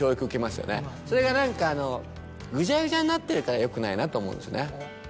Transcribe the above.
それが何かぐちゃぐちゃになってるからよくないなと思うんですよね。